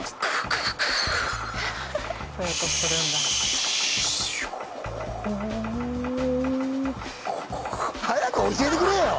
ゴォ早く教えてくれよ